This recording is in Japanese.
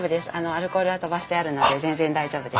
アルコールは飛ばしてあるので全然大丈夫ですよ。